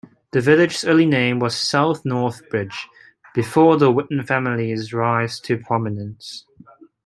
The village's early name was "South Northbridge", before the Whitin family's rise to prominence.